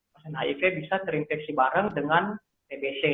pasien hiv bisa terinfeksi bareng dengan tbc